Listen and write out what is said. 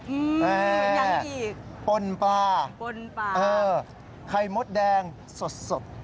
อื้อยังอีกปลปลาไข่มดแดงสด